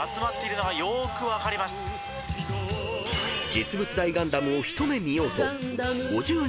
［実物大ガンダムを一目見ようと］